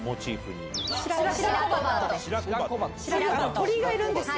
鳥がいるんですよ。